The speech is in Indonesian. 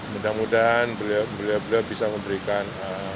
mudah mudahan beliau beliau bisa memberikan